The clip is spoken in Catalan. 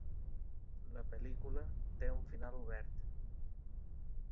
La pel·lícula té un final obert.